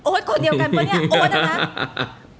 โอ๊ดคนเดียวกันปะเนี่ยโอ๊ดน่ะ